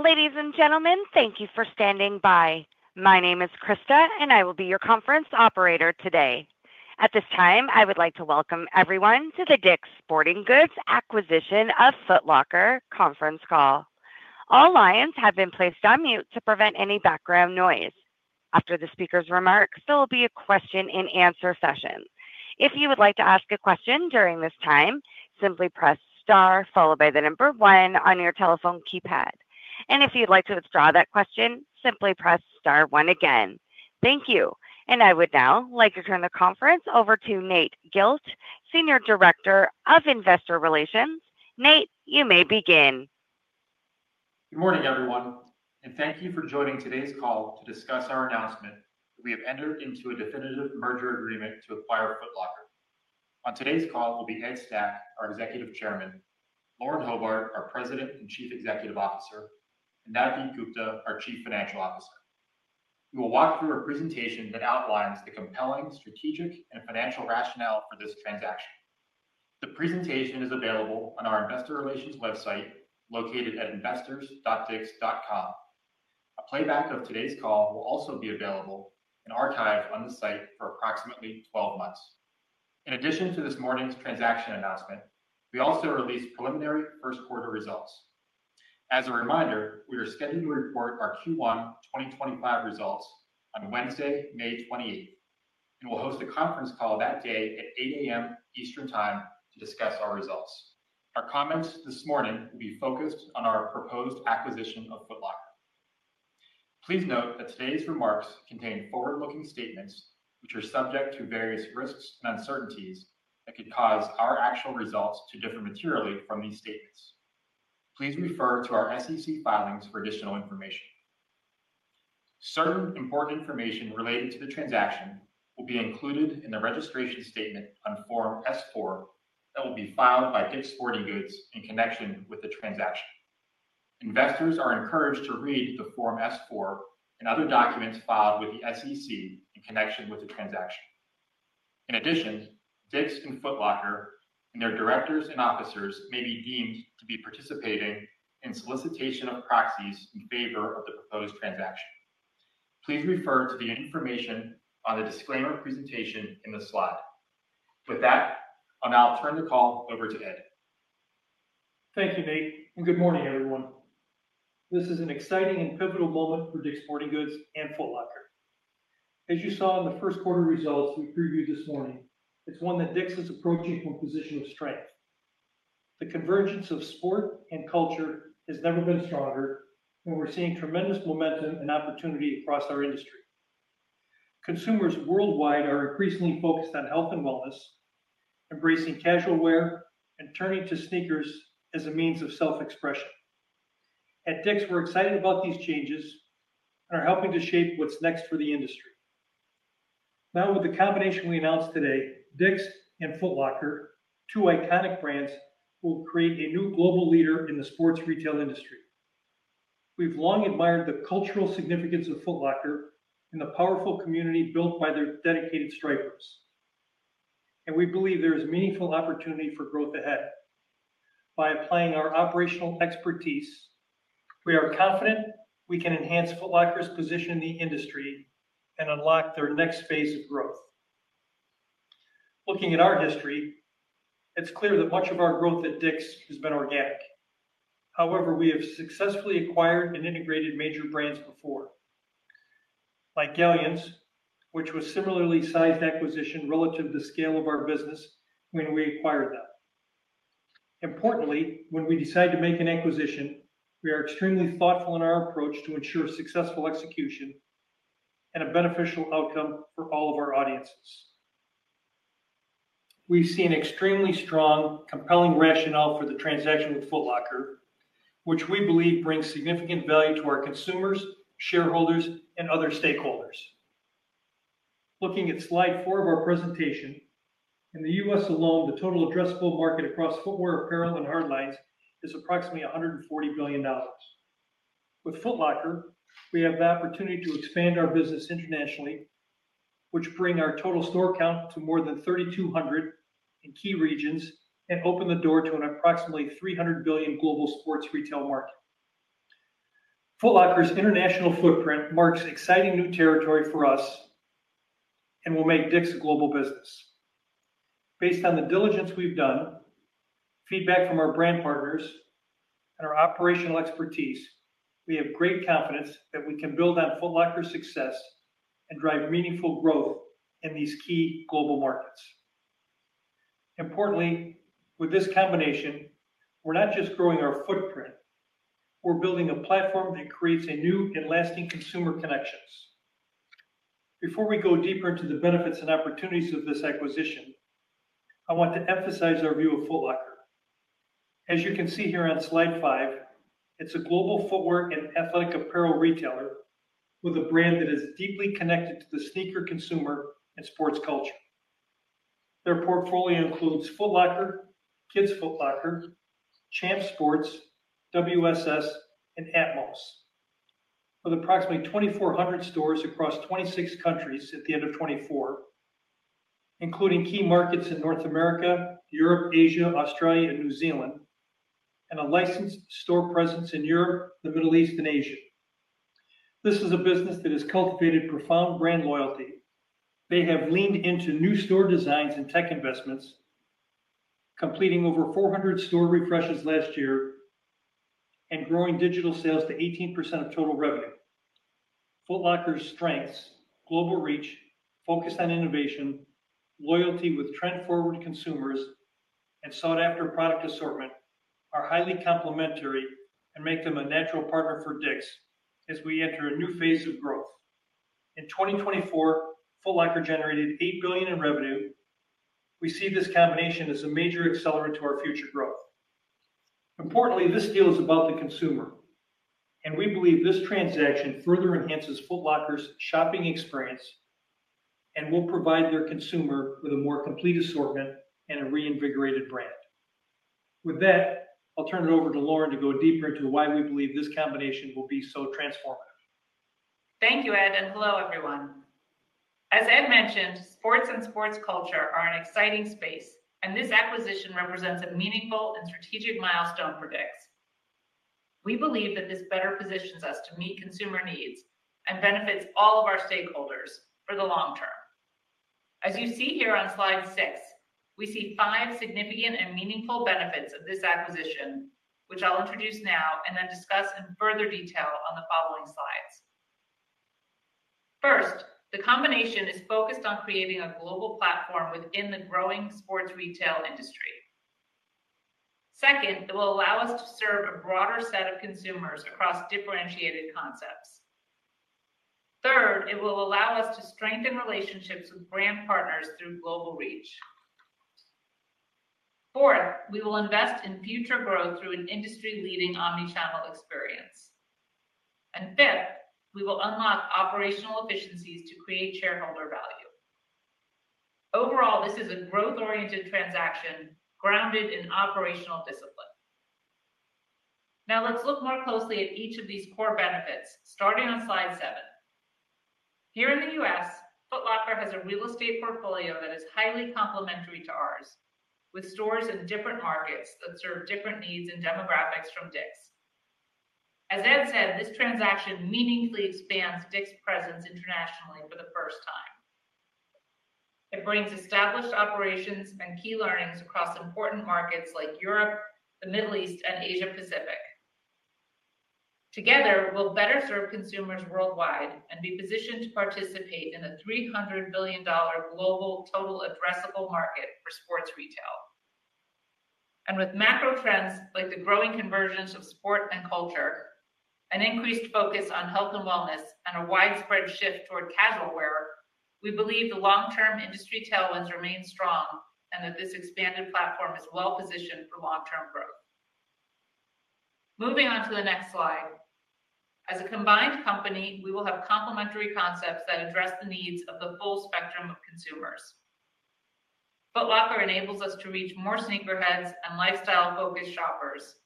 Ladies and gentlemen, thank you for standing by. My name is Krista, and I will be your conference operator today. At this time, I would like to welcome everyone to the DICK'S Sporting Goods acquisition of Foot Locker Conference Call. All lines have been placed on mute to prevent any background noise. After the speaker's remarks, there will be a question-and-answer session. If you would like to ask a question during this time, simply press star followed by the number one on your telephone keypad. If you'd like to withdraw that question, simply press star one again. Thank you. I would now like to turn the conference over to Nate Gilch, Senior Director of Investor Relations. Nate, you may begin. Good morning, everyone. Thank you for joining today's call to discuss our announcement that we have entered into a definitive merger agreement to acquire Foot Locker. On today's call will be Ed Stack, our Executive Chairman, Lauren Hobart, our President and Chief Executive Officer, and Nathaniel Gilch, our Chief Financial Officer. We will walk through a presentation that outlines the compelling strategic and financial rationale for this transaction. The presentation is available on our Investor Relations website located at investors.dicks.com. A playback of today's call will also be available and archived on the site for approximately 12 months. In addition to this morning's transaction announcement, we also released preliminary first-quarter results. As a reminder, we are scheduled to report our Q1 2025 results on Wednesday, May 28, and we will host a conference call that day at 8:00 A.M. Eastern Time to discuss our results. Our comments this morning will be focused on our proposed acquisition of Foot Locker. Please note that today's remarks contain forward-looking statements which are subject to various risks and uncertainties that could cause our actual results to differ materially from these statements. Please refer to our SEC filings for additional information. Certain important information related to the transaction will be included in the registration statement on Form S4 that will be filed by DICK'S Sporting Goods in connection with the transaction. Investors are encouraged to read the Form S4 and other documents filed with the SEC in connection with the transaction. In addition, DICK'S and Foot Locker and their directors and officers may be deemed to be participating in solicitation of proxies in favor of the proposed transaction. Please refer to the information on the disclaimer presentation in the slide. With that, I'll now turn the call over to Ed. Thank you, Nate. Good morning, everyone. This is an exciting and pivotal moment for DICK'S Sporting Goods and Foot Locker. As you saw in the first-quarter results we previewed this morning, it is one that DICK'S is approaching from a position of strength. The convergence of sport and culture has never been stronger, and we are seeing tremendous momentum and opportunity across our industry. Consumers worldwide are increasingly focused on health and wellness, embracing casual wear and turning to sneakers as a means of self-expression. At DICK'S, we are excited about these changes and are helping to shape what is next for the industry. Now, with the combination we announced today, DICK'S and Foot Locker, two iconic brands, will create a new global leader in the sports retail industry. We've long admired the cultural significance of Foot Locker and the powerful community built by their dedicated strikers, and we believe there is meaningful opportunity for growth ahead. By applying our operational expertise, we are confident we can enhance Foot Locker's position in the industry and unlock their next phase of growth. Looking at our history, it's clear that much of our growth at DICK'S has been organic. However, we have successfully acquired and integrated major brands before, like Galyan's, which was a similarly sized acquisition relative to the scale of our business when we acquired them. Importantly, when we decide to make an acquisition, we are extremely thoughtful in our approach to ensure successful execution and a beneficial outcome for all of our audiences. We've seen extremely strong, compelling rationale for the transaction with Foot Locker, which we believe brings significant value to our consumers, shareholders, and other stakeholders. Looking at slide four of our presentation, in the U.S. alone, the total addressable market across footwear, apparel, and hard lines is approximately $140 billion. With Foot Locker, we have the opportunity to expand our business internationally, which brings our total store count to more than 3,200 in key regions and opens the door to an approximately $300 billion global sports retail market. Foot Locker's international footprint marks exciting new territory for us and will make DICK'S a global business. Based on the diligence we've done, feedback from our brand partners, and our operational expertise, we have great confidence that we can build on Foot Locker's success and drive meaningful growth in these key global markets. Importantly, with this combination, we're not just growing our footprint, we're building a platform that creates new and lasting consumer connections. Before we go deeper into the benefits and opportunities of this acquisition, I want to emphasize our view of Foot Locker. As you can see here on slide five, it is a global footwear and athletic apparel retailer with a brand that is deeply connected to the sneaker consumer and sports culture. Their portfolio includes Foot Locker, Kids Foot Locker, Champ Sports, WSS, and Atmos, with approximately 2,400 stores across 26 countries at the end of 2024, including key markets in North America, Europe, Asia, Australia, and New Zealand, and a licensed store presence in Europe, the Middle East, and Asia. This is a business that has cultivated profound brand loyalty. They have leaned into new store designs and tech investments, completing over 400 store refreshes last year and growing digital sales to 18% of total revenue. Foot Locker's strengths: global reach, focus on innovation, loyalty with trend-forward consumers, and sought-after product assortment are highly complementary and make them a natural partner for DICK'S as we enter a new phase of growth. In 2024, Foot Locker generated $8 billion in revenue. We see this combination as a major accelerant to our future growth. Importantly, this deal is about the consumer, and we believe this transaction further enhances Foot Locker's shopping experience and will provide their consumer with a more complete assortment and a reinvigorated brand. With that, I'll turn it over to Lauren to go deeper into why we believe this combination will be so transformative. Thank you, Ed, and hello, everyone. As Ed mentioned, sports and sports culture are an exciting space, and this acquisition represents a meaningful and strategic milestone for DICK'S. We believe that this better positions us to meet consumer needs and benefits all of our stakeholders for the long term. As you see here on slide six, we see five significant and meaningful benefits of this acquisition, which I'll introduce now and then discuss in further detail on the following slides. First, the combination is focused on creating a global platform within the growing sports retail industry. Second, it will allow us to serve a broader set of consumers across differentiated concepts. Third, it will allow us to strengthen relationships with brand partners through global reach. Fourth, we will invest in future growth through an industry-leading omnichannel experience. Fifth, we will unlock operational efficiencies to create shareholder value. Overall, this is a growth-oriented transaction grounded in operational discipline. Now, let's look more closely at each of these core benefits, starting on slide seven. Here in the U.S., Foot Locker has a real estate portfolio that is highly complementary to ours, with stores in different markets that serve different needs and demographics from DICK'S. As Ed said, this transaction meaningfully expands DICK'S presence internationally for the first time. It brings established operations and key learnings across important markets like Europe, the Middle East, and Asia-Pacific. Together, we'll better serve consumers worldwide and be positioned to participate in a $300 billion global total addressable market for sports retail. With macro trends like the growing convergence of sport and culture, an increased focus on health and wellness, and a widespread shift toward casual wear, we believe the long-term industry tailwinds remain strong and that this expanded platform is well-positioned for long-term growth. Moving on to the next slide. As a combined company, we will have complementary concepts that address the needs of the full spectrum of consumers. Foot Locker enables us to reach more sneakerheads and lifestyle-focused shoppers,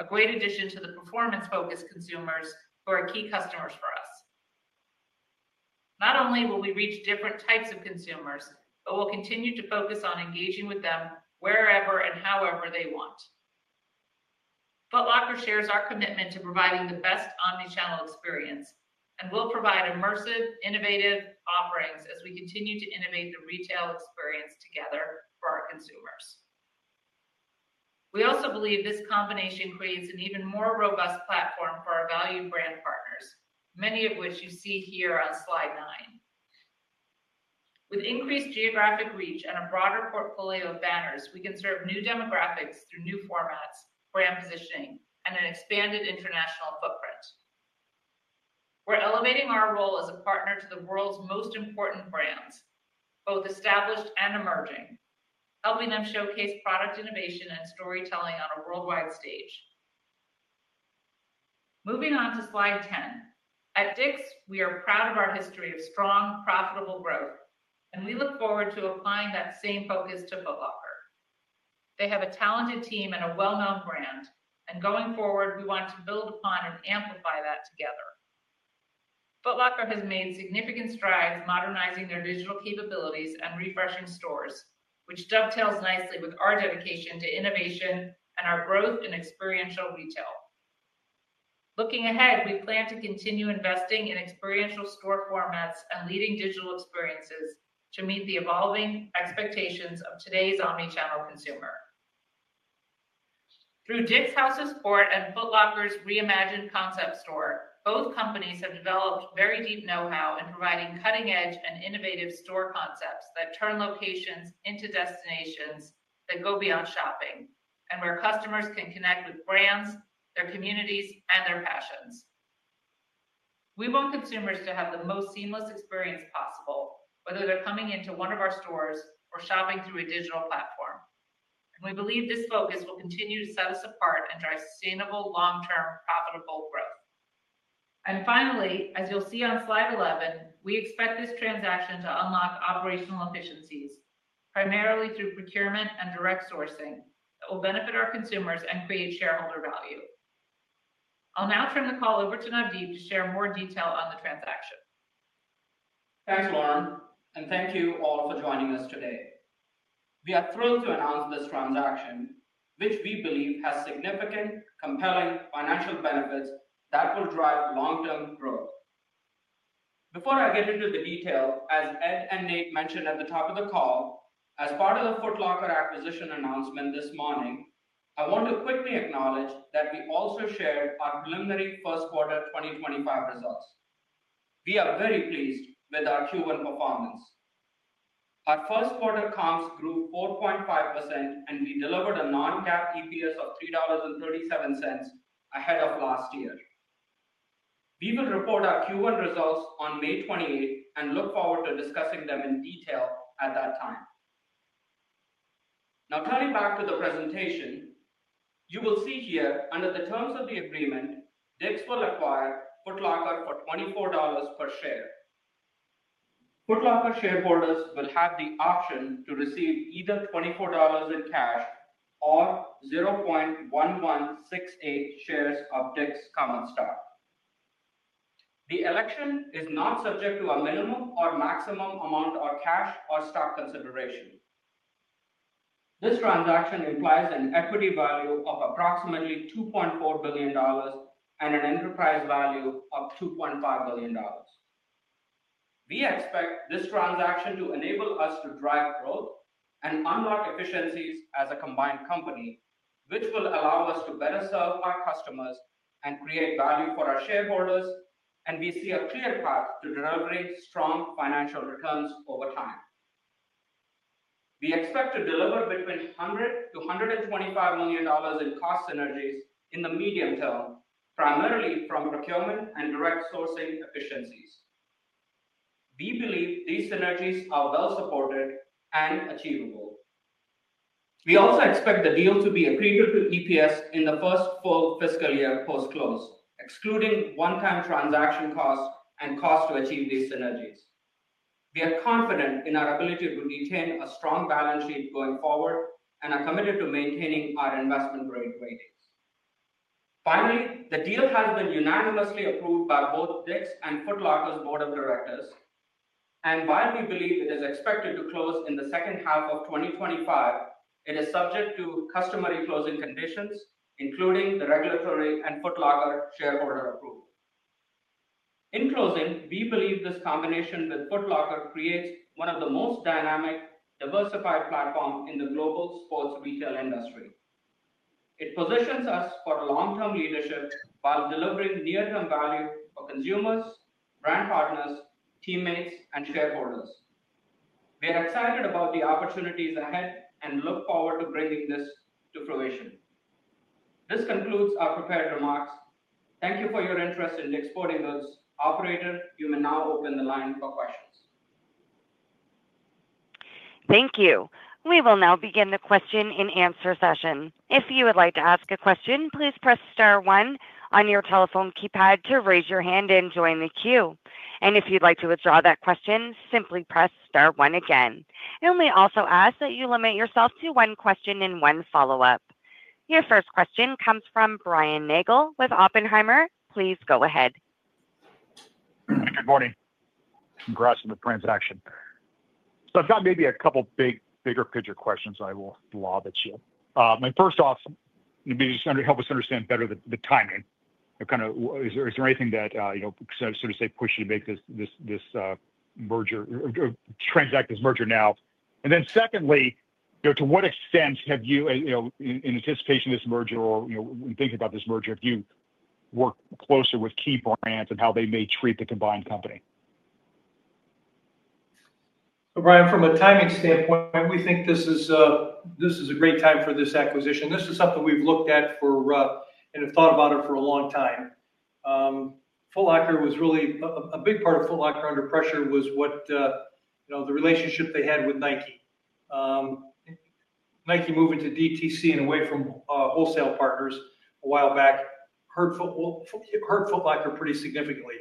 a great addition to the performance-focused consumers who are key customers for us. Not only will we reach different types of consumers, but we'll continue to focus on engaging with them wherever and however they want. Foot Locker shares our commitment to providing the best omnichannel experience and will provide immersive, innovative offerings as we continue to innovate the retail experience together for our consumers. We also believe this combination creates an even more robust platform for our valued brand partners, many of which you see here on slide nine. With increased geographic reach and a broader portfolio of banners, we can serve new demographics through new formats, brand positioning, and an expanded international footprint. We are elevating our role as a partner to the world's most important brands, both established and emerging, helping them showcase product innovation and storytelling on a worldwide stage. Moving on to slide ten, at DICK'S, we are proud of our history of strong, profitable growth, and we look forward to applying that same focus to Foot Locker. They have a talented team and a well-known brand, and going forward, we want to build upon and amplify that together. Foot Locker has made significant strides modernizing their digital capabilities and refreshing stores, which dovetails nicely with our dedication to innovation and our growth in experiential retail. Looking ahead, we plan to continue investing in experiential store formats and leading digital experiences to meet the evolving expectations of today's omnichannel consumer. Through DICK'S House of Sport and Foot Locker's reimagined concept store, both companies have developed very deep know-how in providing cutting-edge and innovative store concepts that turn locations into destinations that go beyond shopping and where customers can connect with brands, their communities, and their passions. We want consumers to have the most seamless experience possible, whether they're coming into one of our stores or shopping through a digital platform. We believe this focus will continue to set us apart and drive sustainable, long-term, profitable growth. Finally, as you'll see on slide 11, we expect this transaction to unlock operational efficiencies, primarily through procurement and direct sourcing that will benefit our consumers and create shareholder value. I'll now turn the call over to Navdeep to share more detail on the transaction. Thanks, Lauren, and thank you all for joining us today. We are thrilled to announce this transaction, which we believe has significant, compelling financial benefits that will drive long-term growth. Before I get into the detail, as Ed and Nate mentioned at the top of the call, as part of the Foot Locker acquisition announcement this morning, I want to quickly acknowledge that we also shared our preliminary first-quarter 2025 results. We are very pleased with our Q1 performance. Our first-quarter comps grew 4.5%, and we delivered a non-cap EPS of $3.37 ahead of last year. We will report our Q1 results on May 28 and look forward to discussing them in detail at that time. Now, turning back to the presentation, you will see here under the terms of the agreement, DICK'S will acquire Foot Locker for $24 per share. Foot Locker shareholders will have the option to receive either $24 in cash or 0.1168 shares of DICK'S common stock. The election is not subject to a minimum or maximum amount of cash or stock consideration. This transaction implies an equity value of approximately $2.4 billion and an enterprise value of $2.5 billion. We expect this transaction to enable us to drive growth and unlock efficiencies as a combined company, which will allow us to better serve our customers and create value for our shareholders, and we see a clear path to delivering strong financial returns over time. We expect to deliver between $100-$125 million in cost synergies in the medium term, primarily from procurement and direct sourcing efficiencies. We believe these synergies are well-supported and achievable. We also expect the deal to be accretive to EPS in the first full fiscal year post-close, excluding one-time transaction costs and costs to achieve these synergies. We are confident in our ability to retain a strong balance sheet going forward and are committed to maintaining our investment-grade ratings. Finally, the deal has been unanimously approved by both DICK'S and Foot Locker's board of directors, and while we believe it is expected to close in the second half of 2025, it is subject to customary closing conditions, including the regulatory and Foot Locker shareholder approval. In closing, we believe this combination with Foot Locker creates one of the most dynamic, diversified platforms in the global sports retail industry. It positions us for long-term leadership while delivering near-term value for consumers, brand partners, teammates, and shareholders. We are excited about the opportunities ahead and look forward to bringing this to fruition. This concludes our prepared remarks. Thank you for your interest in DICK'S Sporting Goods. Operator, you may now open the line for questions. Thank you. We will now begin the question-and-answer session. If you would like to ask a question, please press star one on your telephone keypad to raise your hand and join the queue. If you'd like to withdraw that question, simply press star one again. We also ask that you limit yourself to one question and one follow-up. Your first question comes from Brian Nagel with Oppenheimer. Please go ahead. Good morning. Congrats on the transaction. I've got maybe a couple bigger picture questions I will lob at you. First off, help us understand better the timing. Is there anything that sort of pushed you to make this merger or transact this merger now? Secondly, to what extent have you, in anticipation of this merger or in thinking about this merger, have you worked closer with key brands and how they may treat the combined company? Brian, from a timing standpoint, we think this is a great time for this acquisition. This is something we've looked at and thought about for a long time. A big part of Foot Locker under pressure was the relationship they had with Nike. Nike moving to DTC and away from wholesale partners a while back hurt Foot Locker pretty significantly.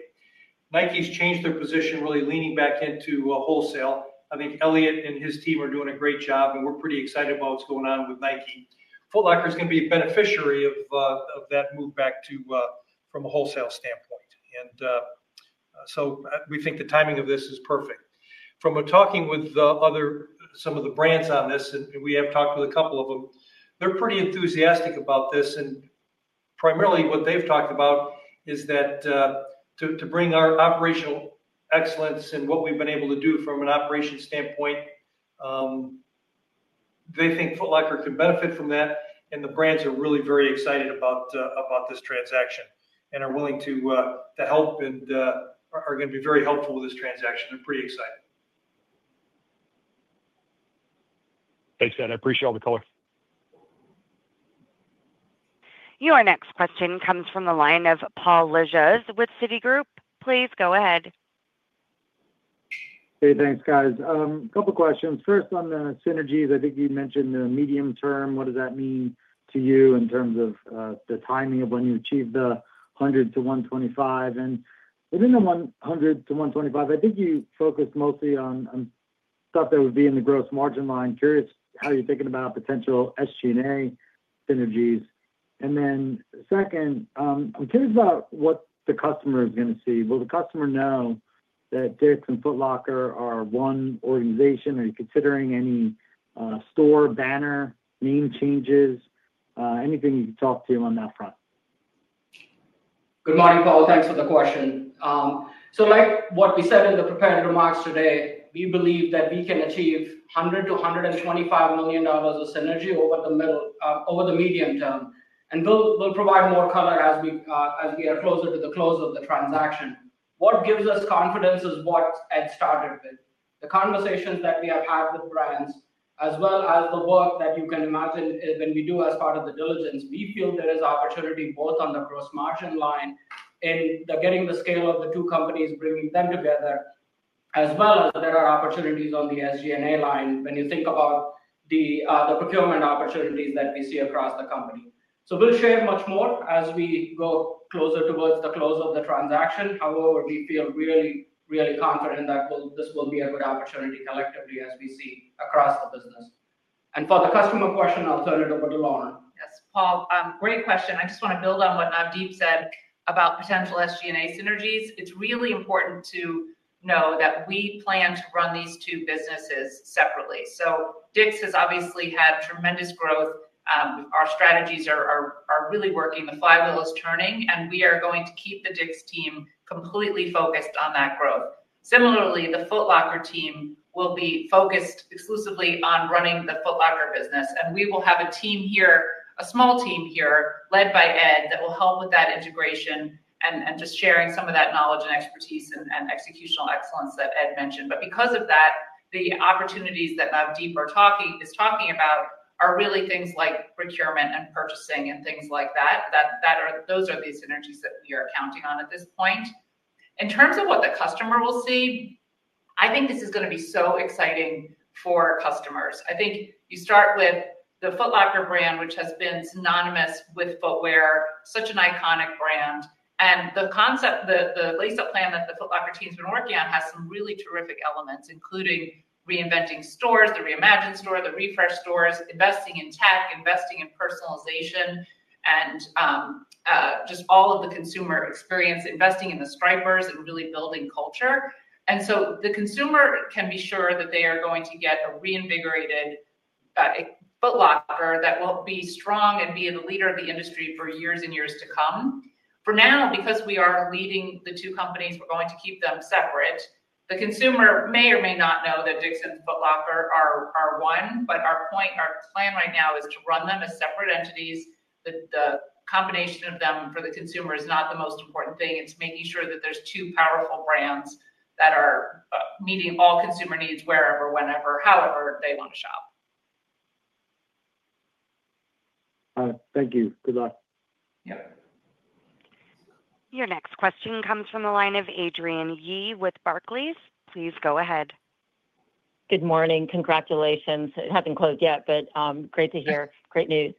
Nike's changed their position, really leaning back into wholesale. I think Elliott and his team are doing a great job, and we're pretty excited about what's going on with Nike. Foot Locker is going to be a beneficiary of that move back from a wholesale standpoint. We think the timing of this is perfect. From talking with some of the brands on this, and we have talked with a couple of them, they're pretty enthusiastic about this. Primarily, what they've talked about is that to bring our operational excellence and what we've been able to do from an operations standpoint, they think Foot Locker can benefit from that. The brands are really very excited about this transaction and are willing to help and are going to be very helpful with this transaction. They're pretty excited. Thanks, Ed. I appreciate all the color. Your next question comes from the line of Paul Lejuez with Citigroup. Please go ahead. Hey, thanks, guys. A couple of questions. First, on the synergies, I think you mentioned the medium term. What does that mean to you in terms of the timing of when you achieve the $100-$125? And within the $100-$125, I think you focused mostly on stuff that would be in the gross margin line. Curious how you're thinking about potential SG&A synergies. Second, I'm curious about what the customer is going to see. Will the customer know that DICK'S and Foot Locker are one organization? Are you considering any store banner name changes? Anything you can talk to on that front? Good morning, Paul. Thanks for the question. Like what we said in the prepared remarks today, we believe that we can achieve $100-$125 million of synergy over the medium term. We'll provide more color as we are closer to the close of the transaction. What gives us confidence is what Ed started with. The conversations that we have had with brands, as well as the work that you can imagine when we do as part of the diligence, we feel there is opportunity both on the gross margin line and getting the scale of the two companies, bringing them together, as well as there are opportunities on the SG&A line when you think about the procurement opportunities that we see across the company. We'll share much more as we go closer towards the close of the transaction. However, we feel really, really confident that this will be a good opportunity collectively as we see across the business. For the customer question, I'll turn it over to Lauren. Yes, Paul. Great question. I just want to build on what Navdeep said about potential SG&A synergies. It's really important to know that we plan to run these two businesses separately. DICK'S has obviously had tremendous growth. Our strategies are really working. The flywheel is turning, and we are going to keep the DICK'S team completely focused on that growth. Similarly, the Foot Locker team will be focused exclusively on running the Foot Locker business. We will have a team here, a small team here, led by Ed that will help with that integration and just sharing some of that knowledge and expertise and executional excellence that Ed mentioned. Because of that, the opportunities that Navdeep is talking about are really things like procurement and purchasing and things like that. Those are the synergies that we are counting on at this point. In terms of what the customer will see, I think this is going to be so exciting for customers. I think you start with the Foot Locker brand, which has been synonymous with footwear, such an iconic brand. The concept, the layout plan that the Foot Locker team has been working on has some really terrific elements, including reinventing stores, the reimagined store, the refreshed stores, investing in tech, investing in personalization, and just all of the consumer experience, investing in the stripers and really building culture. The consumer can be sure that they are going to get a reinvigorated Foot Locker that will be strong and be the leader of the industry for years and years to come. For now, because we are leading the two companies, we're going to keep them separate. The consumer may or may not know that DICK'S and Foot Locker are one, but our plan right now is to run them as separate entities. The combination of them for the consumer is not the most important thing. It's making sure that there are two powerful brands that are meeting all consumer needs wherever, whenever, however they want to shop. Thank you. Good luck. Yep. Your next question comes from the line of Adrian Yee with Barclays. Please go ahead. Good morning. Congratulations. It has not closed yet, but great to hear. Great news.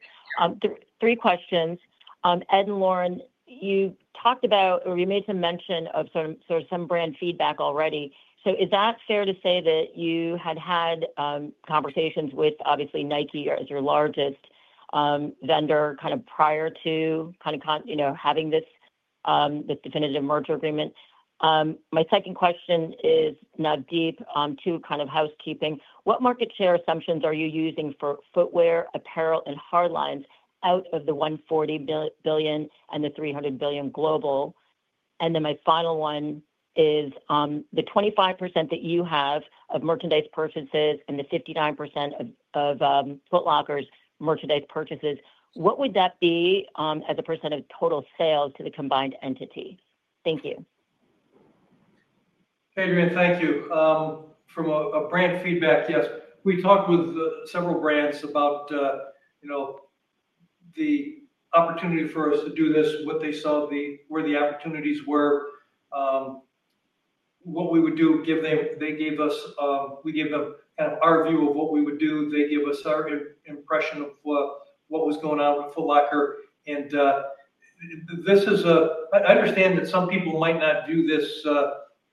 Three questions. Ed and Lauren, you talked about or you made some mention of sort of some brand feedback already. Is that fair to say that you had had conversations with, obviously, Nike as your largest vendor kind of prior to kind of having this definitive merger agreement? My second question is, Navdeep, to kind of housekeeping, what market share assumptions are you using for footwear, apparel, and hard lines out of the $140 billion and the $300 billion global? My final one is the 25% that you have of merchandise purchases and the 59% of Foot Locker's merchandise purchases, what would that be as a percent of total sales to the combined entity? Thank you. Adrian, thank you. From a brand feedback, yes. We talked with several brands about the opportunity for us to do this, what they saw, where the opportunities were, what we would do. They gave us, we gave them kind of our view of what we would do. They gave us our impression of what was going on with Foot Locker. This is a, I understand that some people might not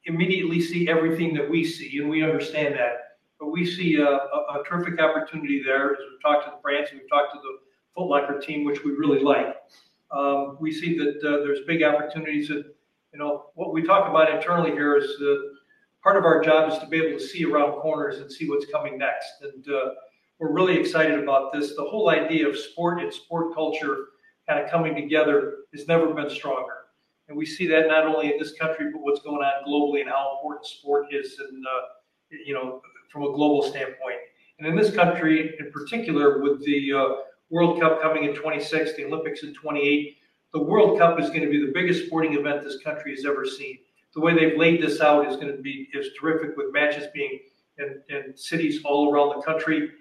immediately see everything that we see, and we understand that. We see a terrific opportunity there as we have talked to the brands, we have talked to the Foot Locker team, which we really like. We see that there are big opportunities. What we talk about internally here is part of our job is to be able to see around corners and see what is coming next. We are really excited about this. The whole idea of sport and sport culture kind of coming together has never been stronger. We see that not only in this country, but what is going on globally and how important sport is from a global standpoint. In this country, in particular, with the World Cup coming in 2026, the Olympics in 2028, the World Cup is going to be the biggest sporting event this country has ever seen. The way they have laid this out is going to be terrific with matches being in cities all around the country.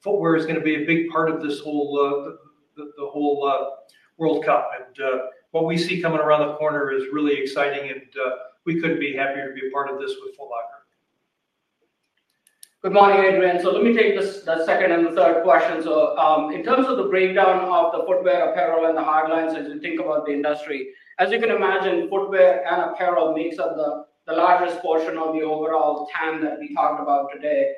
Footwear is going to be a big part of the whole World Cup. What we see coming around the corner is really exciting, and we could not be happier to be a part of this with Foot Locker. Good morning, Adrian. Let me take the second and the third question. In terms of the breakdown of the footwear, apparel, and the hard lines as you think about the industry, as you can imagine, footwear and apparel makes up the largest portion of the overall TAM that we talked about today.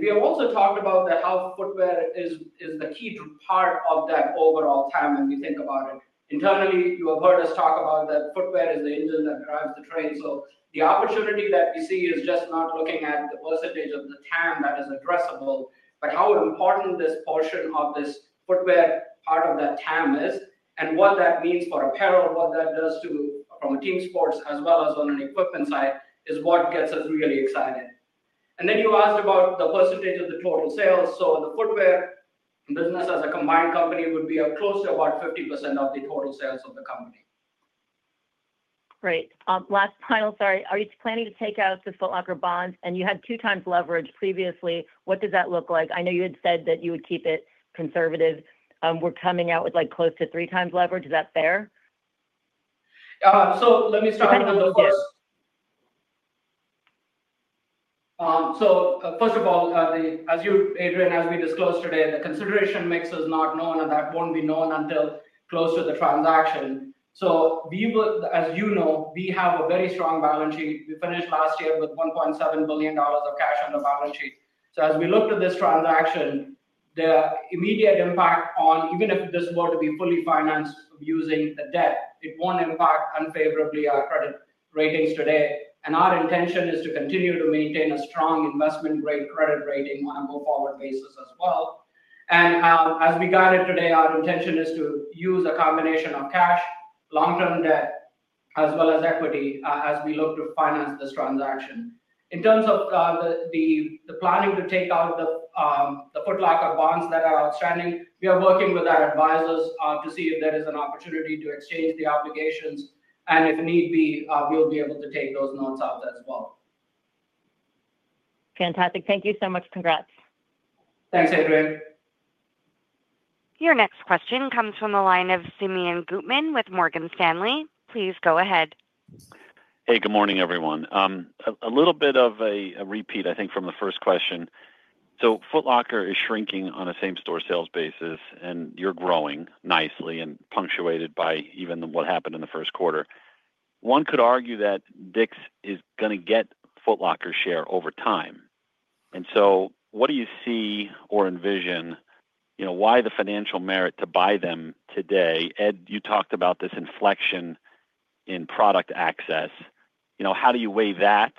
We have also talked about how footwear is the key part of that overall TAM when we think about it. Internally, you have heard us talk about that footwear is the engine that drives the train. The opportunity that we see is just not looking at the percentage of the TAM that is addressable, but how important this portion of this footwear part of that TAM is and what that means for apparel, what that does from a team sports as well as on an equipment side is what gets us really excited. You asked about the percentage of the total sales. The footwear business as a combined company would be close to about 50% of the total sales of the company. Right. Last final, sorry. Are you planning to take out the Foot Locker bonds? And you had two times leverage previously. What does that look like? I know you had said that you would keep it conservative. We're coming out with close to three times leverage. Is that fair? Let me start with the first. How do you disclose? First of all, as you, Adrian, as we disclosed today, the consideration mix is not known, and that will not be known until close to the transaction. As you know, we have a very strong balance sheet. We finished last year with $1.7 billion of cash on the balance sheet. As we looked at this transaction, the immediate impact on, even if this were to be fully financed using the debt, it will not impact unfavorably our credit ratings today. Our intention is to continue to maintain a strong investment-grade credit rating on a go-forward basis as well. As we got it today, our intention is to use a combination of cash, long-term debt, as well as equity as we look to finance this transaction. In terms of the planning to take out the Foot Locker bonds that are outstanding, we are working with our advisors to see if there is an opportunity to exchange the obligations. If need be, we'll be able to take those notes out as well. Fantastic. Thank you so much. Congrats. Thanks, Adrian. Your next question comes from the line of Simeon Gutman with Morgan Stanley. Please go ahead. Hey, good morning, everyone. A little bit of a repeat, I think, from the first question. Foot Locker is shrinking on a same-store sales basis, and you're growing nicely and punctuated by even what happened in the first quarter. One could argue that DICK'S is going to get Foot Locker's share over time. What do you see or envision? Why the financial merit to buy them today? Ed, you talked about this inflection in product access. How do you weigh that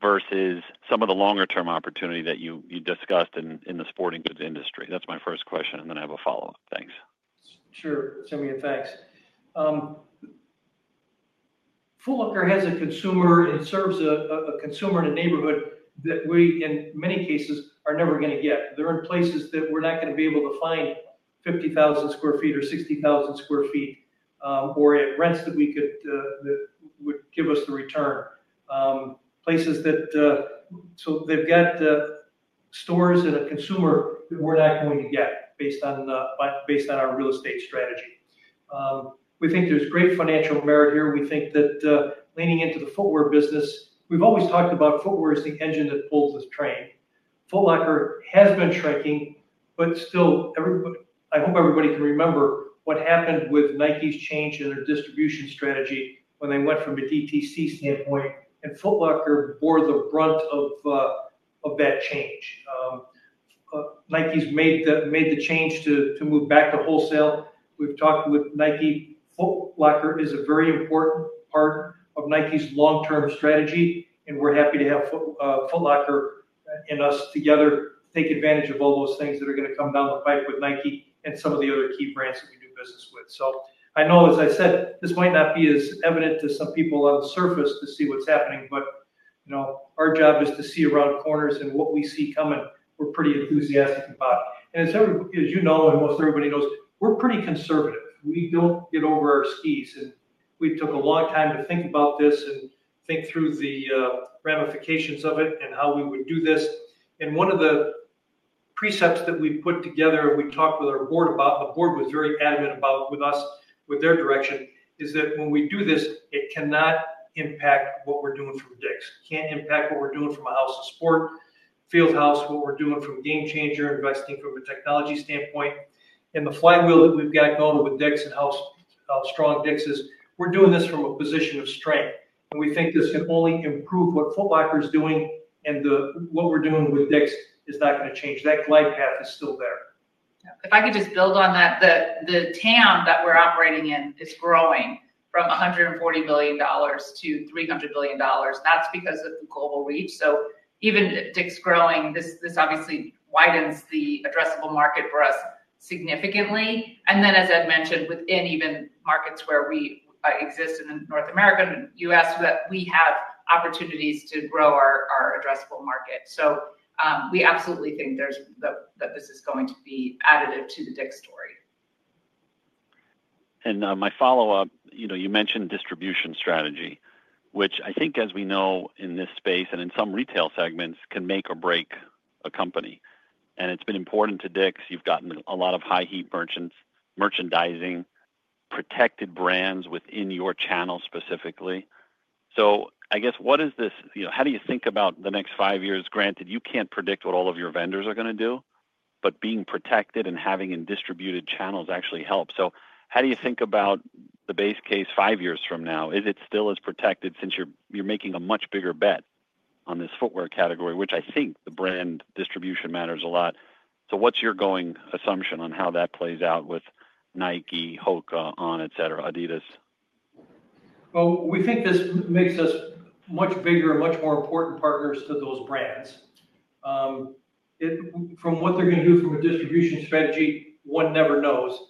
versus some of the longer-term opportunity that you discussed in the sporting goods industry? That's my first question, and then I have a follow-up. Thanks. Sure. Simeon, thanks. Foot Locker has a consumer, and it serves a consumer in a neighborhood that we, in many cases, are never going to get. They're in places that we're not going to be able to find 50,000 sq ft or 60,000 sq ft or at rents that would give us the return. Places that, so they've got stores and a consumer that we're not going to get based on our real estate strategy. We think there's great financial merit here. We think that leaning into the footwear business, we've always talked about footwear as the engine that pulls this train. Foot Locker has been shrinking, but still, I hope everybody can remember what happened with Nike's change in their distribution strategy when they went from a DTC standpoint, and Foot Locker bore the brunt of that change. Nike's made the change to move back to wholesale. We've talked with Nike. Foot Locker is a very important part of Nike's long-term strategy, and we're happy to have Foot Locker and us together take advantage of all those things that are going to come down the pipe with Nike and some of the other key brands that we do business with. I know, as I said, this might not be as evident to some people on the surface to see what's happening, but our job is to see around corners and what we see coming. We're pretty enthusiastic about it. As you know and most everybody knows, we're pretty conservative. We don't get over our skis. We took a long time to think about this and think through the ramifications of it and how we would do this. One of the precepts that we put together and we talked with our board about, the board was very adamant about with us, with their direction, is that when we do this, it cannot impact what we're doing from DICK'S. It can't impact what we're doing from a House of Sport, Fieldhouse, what we're doing from Game Changer, investing from a technology standpoint. The flywheel that we've got going with DICK'S and how strong DICK'S is, we're doing this from a position of strength. We think this can only improve what Foot Locker is doing, and what we're doing with DICK'S is not going to change. That glide path is still there. If I could just build on that, the TAM that we're operating in is growing from $140 billion to $300 billion. That's because of the global reach. Even DICK'S growing, this obviously widens the addressable market for us significantly. Then, as Ed mentioned, within even markets where we exist in North America and the U.S., we have opportunities to grow our addressable market. We absolutely think that this is going to be additive to the DICK'S story. My follow-up, you mentioned distribution strategy, which I think, as we know in this space and in some retail segments, can make or break a company. It has been important to DICK'S. You have gotten a lot of high-heat merchandising, protected brands within your channel specifically. I guess, what is this? How do you think about the next five years? Granted, you cannot predict what all of your vendors are going to do, but being protected and having distributed channels actually helps. How do you think about the base case five years from now? Is it still as protected since you are making a much bigger bet on this footwear category, which I think the brand distribution matters a lot? What is your going assumption on how that plays out with Nike, Hoka, On, Adidas, et cetera? We think this makes us much bigger and much more important partners to those brands. From what they're going to do from a distribution strategy, one never knows.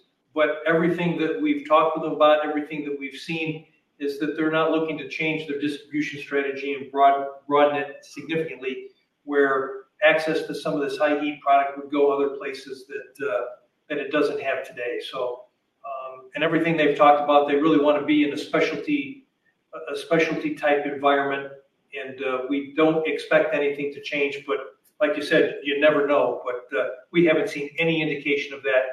Everything that we've talked with them about, everything that we've seen, is that they're not looking to change their distribution strategy and broaden it significantly where access to some of this high-heat product would go other places that it does not have today. Everything they've talked about, they really want to be in a specialty-type environment. We do not expect anything to change, but like you said, you never know. We have not seen any indication of that.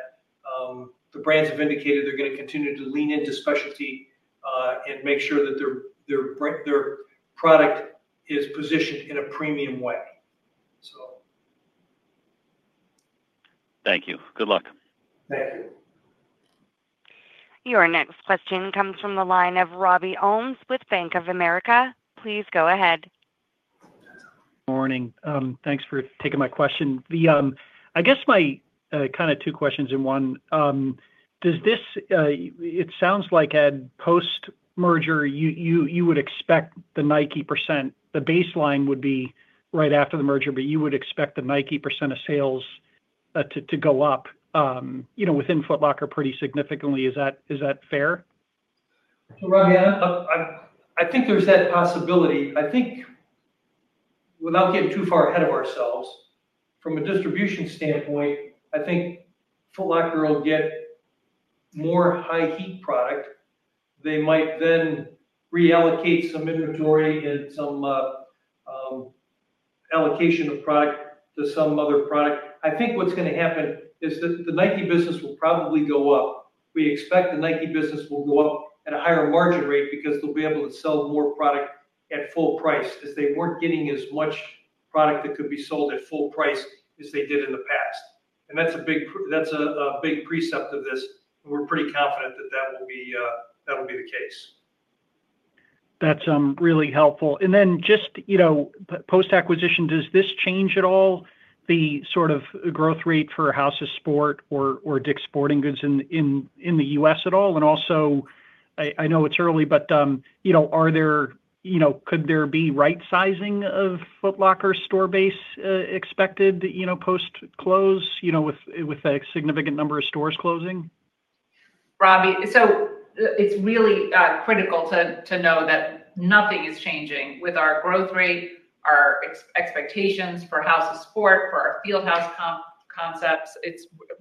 The brands have indicated they're going to continue to lean into specialty and make sure that their product is positioned in a premium way, so. Thank you. Good luck. Thank you. Your next question comes from the line of Robbie Ohmes with Bank of America. Please go ahead. Morning. Thanks for taking my question. I guess my kind of two questions in one. It sounds like at post-merger, you would expect the Nike percent the baseline would be right after the merger, but you would expect the Nike percent of sales to go up within Foot Locker pretty significantly. Is that fair? Robbie, I think there's that possibility. I think without getting too far ahead of ourselves, from a distribution standpoint, I think Foot Locker will get more high-heat product. They might then reallocate some inventory and some allocation of product to some other product. I think what's going to happen is that the Nike business will probably go up. We expect the Nike business will go up at a higher margin rate because they'll be able to sell more product at full price as they weren't getting as much product that could be sold at full price as they did in the past. That is a big precept of this. We're pretty confident that that will be the case. That's really helpful. Then just post-acquisition, does this change at all the sort of growth rate for House of Sport or DICK'S Sporting Goods in the U.S. at all? Also, I know it's early, but could there be right-sizing of Foot Locker's store base expected post-close with a significant number of stores closing? Robbie, so it's really critical to know that nothing is changing with our growth rate, our expectations for House of Sport, for our Fieldhouse concepts.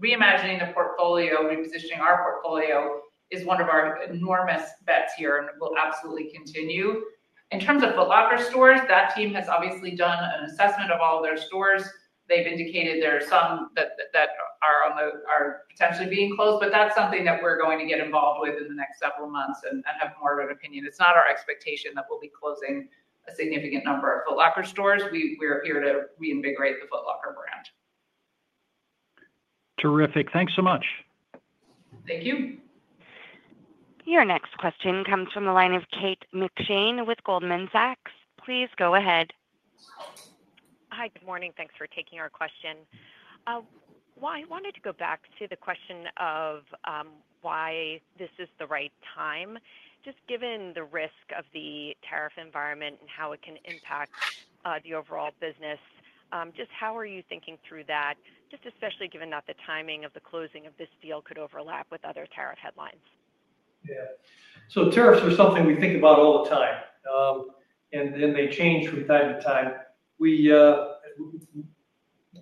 Reimagining the portfolio, repositioning our portfolio is one of our enormous bets here and will absolutely continue. In terms of Foot Locker stores, that team has obviously done an assessment of all their stores. They've indicated there are some that are potentially being closed, but that's something that we're going to get involved with in the next several months and have more of an opinion. It's not our expectation that we'll be closing a significant number of Foot Locker stores. We're here to reinvigorate the Foot Locker brand. Terrific. Thanks so much. Thank you. Your next question comes from the line of Kate McShane with Goldman Sachs. Please go ahead. Hi, good morning. Thanks for taking our question. I wanted to go back to the question of why this is the right time. Just given the risk of the tariff environment and how it can impact the overall business, just how are you thinking through that, just especially given that the timing of the closing of this deal could overlap with other tariff headlines? Yeah. Tariffs are something we think about all the time, and then they change from time to time.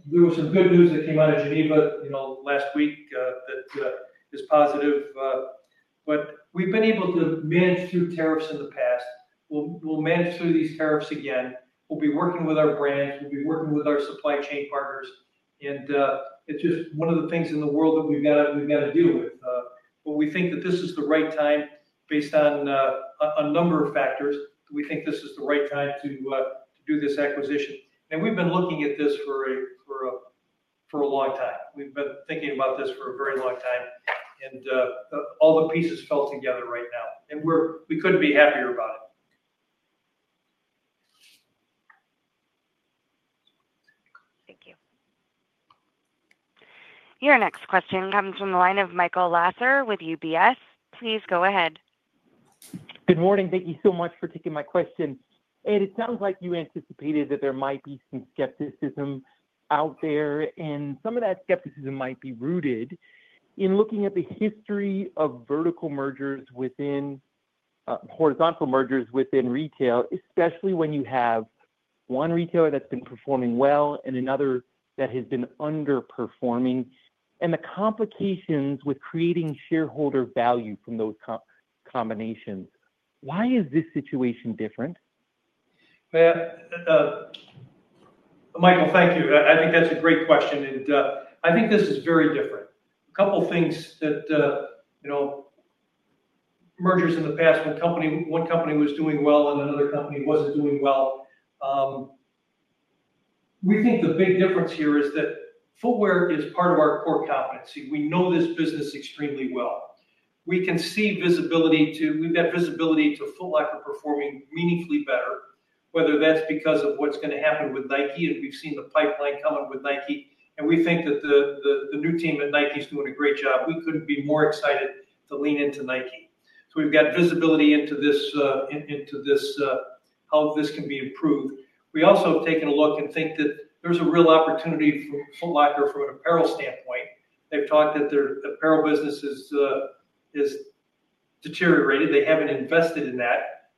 There was some good news that came out of Geneva last week that is positive. We have been able to manage through tariffs in the past. We will manage through these tariffs again. We will be working with our brands. We will be working with our supply chain partners. It is just one of the things in the world that we have to deal with. We think that this is the right time based on a number of factors. We think this is the right time to do this acquisition. We have been looking at this for a long time. We have been thinking about this for a very long time, and all the pieces fell together right now. We could not be happier about it. Thank you. Your next question comes from the line of Michael Lasser with UBS. Please go ahead. Good morning. Thank you so much for taking my question. Ed, it sounds like you anticipated that there might be some skepticism out there, and some of that skepticism might be rooted in looking at the history of vertical mergers within horizontal mergers within retail, especially when you have one retailer that's been performing well and another that has been underperforming and the complications with creating shareholder value from those combinations. Why is this situation different? Michael, thank you. I think that's a great question, and I think this is very different. A couple of things that mergers in the past, when one company was doing well and another company wasn't doing well. We think the big difference here is that footwear is part of our core competency. We know this business extremely well. We can see visibility to we've got visibility to Foot Locker performing meaningfully better, whether that's because of what's going to happen with Nike, and we've seen the pipeline coming with Nike. We think that the new team at Nike is doing a great job. We couldn't be more excited to lean into Nike. We've got visibility into how this can be improved. We also have taken a look and think that there's a real opportunity for Foot Locker from an apparel standpoint. They've talked that their apparel business is deteriorated. They haven't invested in that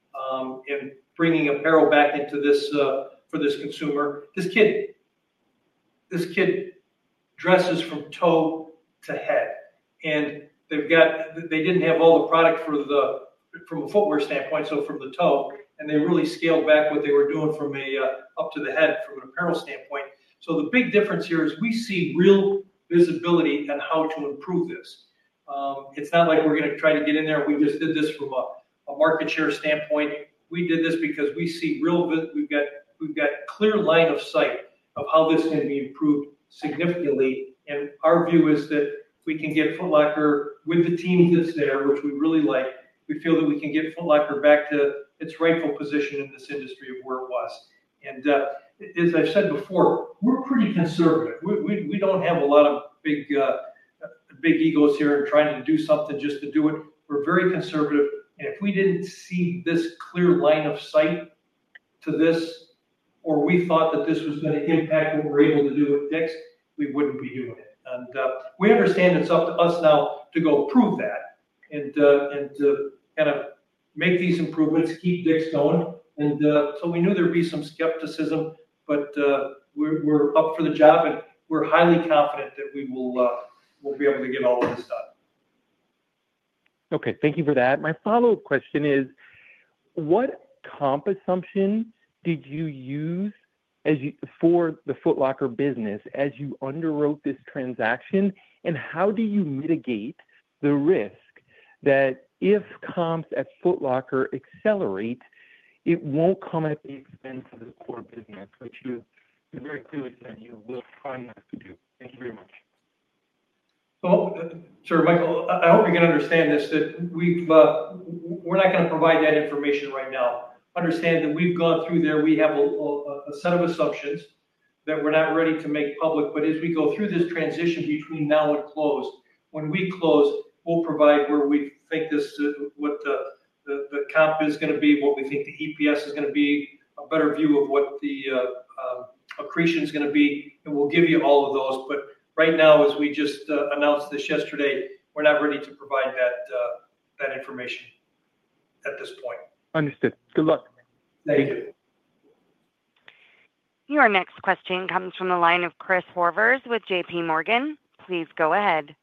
and bringing apparel back into this for this consumer. This kid dresses from toe to head, and they didn't have all the product from a footwear standpoint, so from the toe, and they really scaled back what they were doing from up to the head from an apparel standpoint. The big difference here is we see real visibility on how to improve this. It's not like we're going to try to get in there. We just did this from a market share standpoint. We did this because we see real visibility. We've got a clear line of sight of how this can be improved significantly. Our view is that we can get Foot Locker with the team that's there, which we really like. We feel that we can get Foot Locker back to its rightful position in this industry of where it was. As I've said before, we're pretty conservative. We don't have a lot of big egos here in trying to do something just to do it. We're very conservative. If we didn't see this clear line of sight to this or we thought that this was going to impact what we're able to do with DICK'S, we wouldn't be doing it. We understand it's up to us now to go prove that and kind of make these improvements, keep DICK'S going. We knew there'd be some skepticism, but we're up for the job, and we're highly confident that we will be able to get all of this done. Okay. Thank you for that. My follow-up question is, what comp assumption did you use for the Foot Locker business as you underwrote this transaction? How do you mitigate the risk that if comps at Foot Locker accelerate, it won't come at the expense of the core business, which you very clearly said you will try not to do? Thank you very much. Sir, Michael, I hope you can understand this, that we're not going to provide that information right now. Understand that we've gone through there. We have a set of assumptions that we're not ready to make public. As we go through this transition between now and close, when we close, we'll provide where we think what the comp is going to be, what we think the EPS is going to be, a better view of what the accretion is going to be. We'll give you all of those. Right now, as we just announced this yesterday, we're not ready to provide that information at this point. Understood. Good luck. Thank you. Your next question comes from the line of Chris Horvers with JPMorgan. Please go ahead.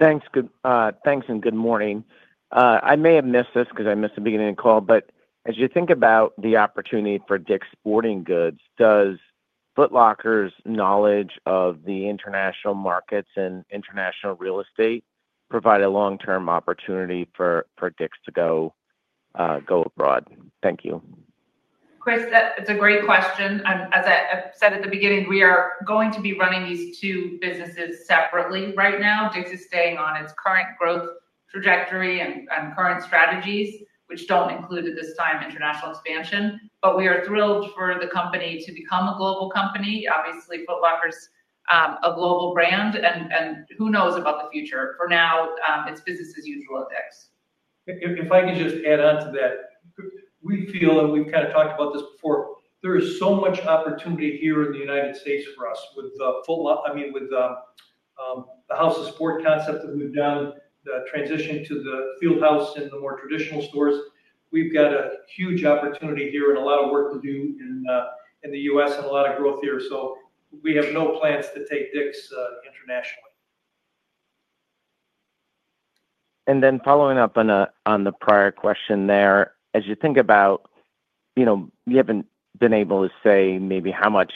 Thanks and good morning. I may have missed this because I missed the beginning of the call, but as you think about the opportunity for DICK'S Sporting Goods, does Foot Locker's knowledge of the international markets and international real estate provide a long-term opportunity for DICK'S to go abroad? Thank you. Chris, that's a great question. As I said at the beginning, we are going to be running these two businesses separately right now. DICK'S is staying on its current growth trajectory and current strategies, which do not include at this time international expansion. We are thrilled for the company to become a global company. Obviously, Foot Locker is a global brand, and who knows about the future? For now, it's business as usual at DICK'S. If I can just add on to that, we feel, and we've kind of talked about this before, there is so much opportunity here in the U.S. for us with, I mean, with the House of Sport concept that moved down, the transition to the Fieldhouse and the more traditional stores. We've got a huge opportunity here and a lot of work to do in the U.S. and a lot of growth here. We have no plans to take DICK'S internationally. Then following up on the prior question there, as you think about, you have not been able to say maybe how much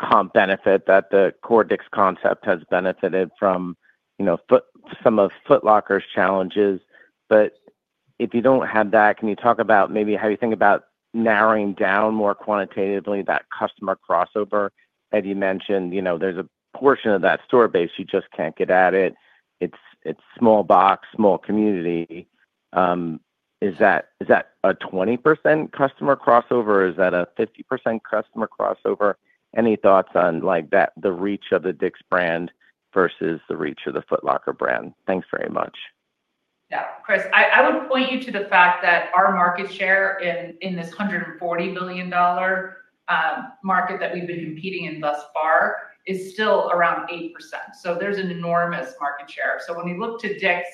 comp benefit that the core DICK'S concept has benefited from some of Foot Locker's challenges. If you do not have that, can you talk about maybe how you think about narrowing down more quantitatively that customer crossover? As you mentioned, there is a portion of that store base you just cannot get at it. It is small box, small community. Is that a 20% customer crossover? Is that a 50% customer crossover? Any thoughts on the reach of the DICK'S brand versus the reach of the Foot Locker brand? Thanks very much. Yeah. Chris, I would point you to the fact that our market share in this $140 billion market that we've been competing in thus far is still around 8%. There is an enormous market share. When we look to DICK'S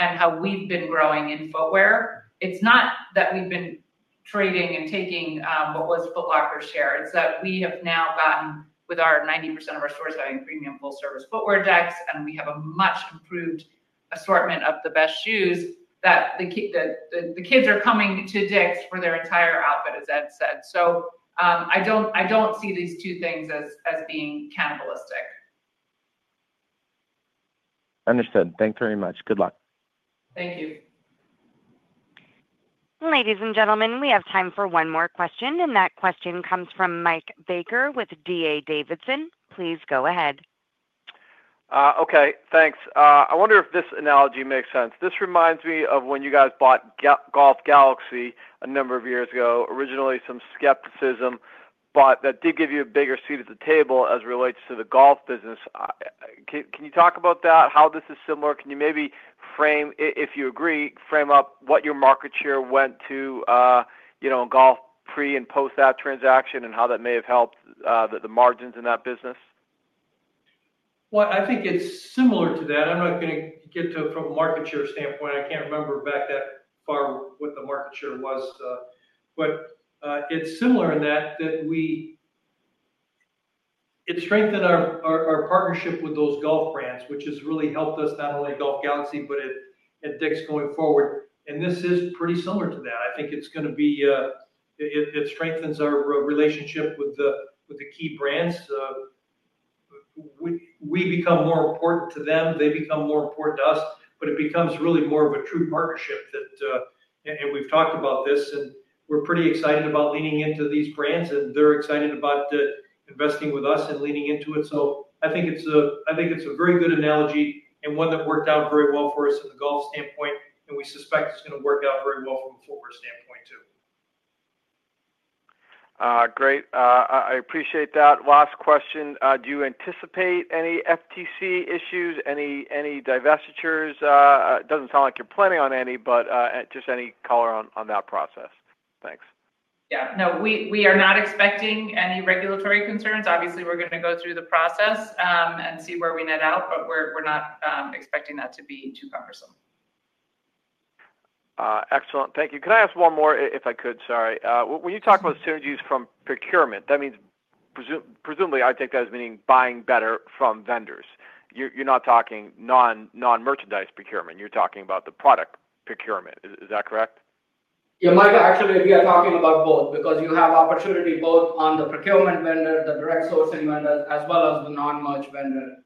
and how we've been growing in footwear, it's not that we've been trading and taking what was Foot Locker's share. We have now gotten, with 90% of our stores having premium full-service footwear decks, and we have a much improved assortment of the best shoes that the kids are coming to DICK'S for their entire outfit, as Ed said. I don't see these two things as being cannibalistic. Understood. Thanks very much. Good luck. Thank you. Ladies and gentlemen, we have time for one more question. That question comes from Mike Baker with D.A. Davidson. Please go ahead. Okay. Thanks. I wonder if this analogy makes sense. This reminds me of when you guys bought Golf Galaxy a number of years ago, originally some skepticism, but that did give you a bigger seat at the table as it relates to the golf business. Can you talk about that, how this is similar? Can you maybe frame, if you agree, frame up what your market share went to golf pre and post that transaction and how that may have helped the margins in that business? I think it's similar to that. I'm not going to get to it from a market share standpoint. I can't remember back that far what the market share was. It's similar in that it strengthened our partnership with those golf brands, which has really helped us not only at Golf Galaxy, but at DICK'S going forward. This is pretty similar to that. I think it strengthens our relationship with the key brands. We become more important to them. They become more important to us. It becomes really more of a true partnership that we've talked about, and we're pretty excited about leaning into these brands, and they're excited about investing with us and leaning into it. I think it's a very good analogy and one that worked out very well for us from the golf standpoint, and we suspect it's going to work out very well from a footwear standpoint too. Great. I appreciate that. Last question. Do you anticipate any FTC issues, any divestitures? It does not sound like you are planning on any, but just any color on that process. Thanks. Yeah. No, we are not expecting any regulatory concerns. Obviously, we are going to go through the process and see where we net out, but we are not expecting that to be too cumbersome. Excellent. Thank you. Can I ask one more if I could? Sorry. When you talk about synergies from procurement, that means presumably I take that as meaning buying better from vendors. You're not talking non-merchandise procurement. You're talking about the product procurement. Is that correct? Yeah. Michael, actually, we are talking about both because you have opportunity both on the procurement vendor, the direct sourcing vendor, as well as the non-merch vendor.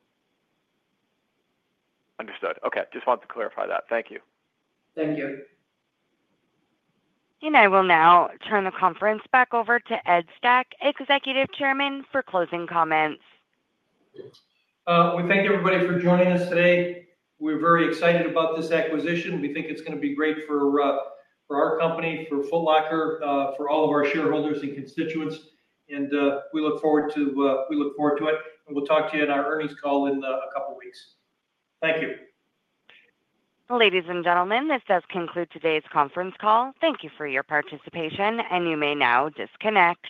Understood. Okay. Just wanted to clarify that. Thank you. Thank you. I will now turn the conference back over to Ed Stack, Executive Chairman, for closing comments. We thank everybody for joining us today. We are very excited about this acquisition. We think it is going to be great for our company, for Foot Locker, for all of our shareholders and constituents. We look forward to it. We will talk to you in our earnings call in a couple of weeks. Thank you. Ladies and gentlemen, this does conclude today's conference call. Thank you for your participation, and you may now disconnect.